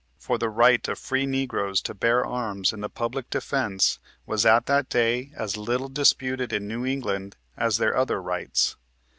For the right of free Negroes to bear arms in the public defence was at that day as little disputed in New England as their other rights.